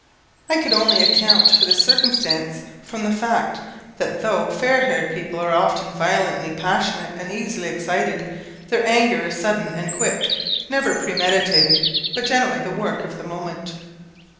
I could only account for this circumstance from the fact, that though fair haired people are often violently passionate and easily excited, their anger is sudden and quick, never premeditated, but generally the work of the moment.